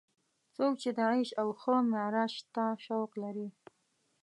څوک چې د عیش او ښه معراج ته شوق لري.